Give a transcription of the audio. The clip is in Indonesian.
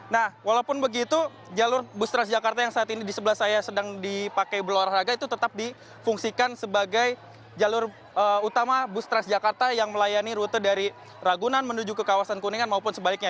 nah walaupun begitu jalur bus transjakarta yang saat ini di sebelah saya sedang dipakai berolahraga itu tetap difungsikan sebagai jalur utama bus transjakarta yang melayani rute dari ragunan menuju ke kawasan kuningan maupun sebaliknya